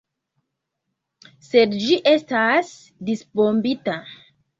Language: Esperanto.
Sed ĝi estas disbombita!